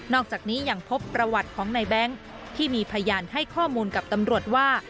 อกจากนี้ยังพบประวัติของในแบงค์ที่มีพยานให้ข้อมูลกับตำรวจว่า